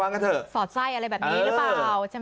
สอดไส้อะไรแบบนี้หรือเปล่า